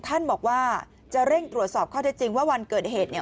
ท่านบอกว่าจะเร่งตรวจสอบข้อเท็จจริงว่าวันเกิดเหตุเนี่ย